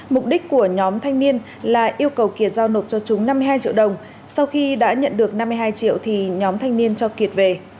mục đích của nhóm thanh niên là yêu cầu kiệt giao nộp cho chúng năm mươi hai triệu đồng sau khi đã nhận được năm mươi hai triệu thì nhóm thanh niên cho kiệt về